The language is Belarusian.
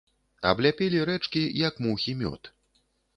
Абляпілі рэчкі, як мухі мёд.